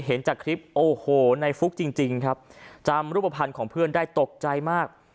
เห็นจากคลิปโอ้โหในฟุกจริงครับจำรูปภัณฑ์ของเพื่อนได้ตกใจมาก